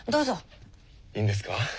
いいんですか？